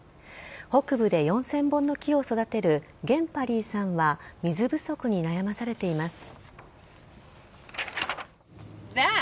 北部で４０００本の木を育てるゲンパリーさんは水不足に悩まされています。